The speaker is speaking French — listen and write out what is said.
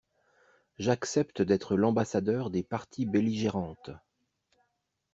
J'accepte d'être l'ambassadeur des parties belligérantes.